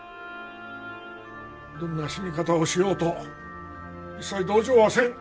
どんな死に方をしようと一切同情はせん。